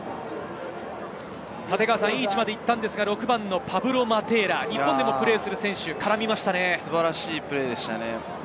いい位置まで行ったんですが、６番のパブロ・マテーラ、日本でもプレーする選手、絡みましたね。